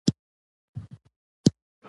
د چرګانو واړه فارمونه په کليو کې جوړیږي.